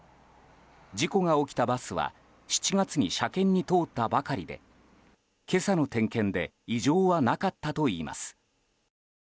事故が起きたバスは７月に車検に通ったばかりで今朝の点検で異常はなかったといいます。